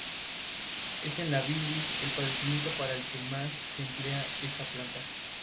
Su acceso tiene lugar por cuatro puertas centradas en cada uno de sus lados.